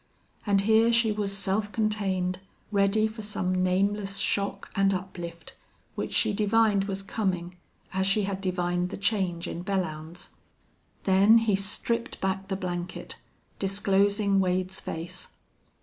And here she was self contained, ready for some nameless shock and uplift, which she divined was coming as she had divined the change in Belllounds. Then he stripped back the blanket, disclosing Wade's face.